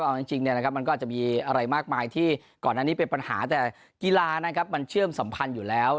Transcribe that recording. เอาจริงจริงเนี่ยนะครับมันก็จะมีอะไรมากมายที่ก่อนหน้านี้เป็นปัญหาแต่กีฬานะครับมันเชื่อมสัมพันธ์อยู่แล้ว